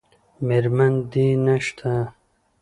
میرمن دې نشته؟